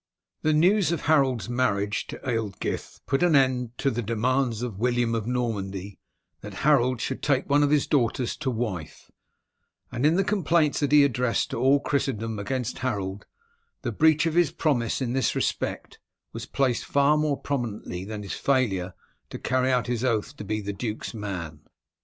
The news of Harold's marriage to Ealdgyth put an end to the demands of William of Normandy that Harold should take one of his daughters to wife, and in the complaints that he addressed to all Christendom against Harold the breach of his promise in this respect was placed far more prominently than his failure to carry out his oath to be the duke's man.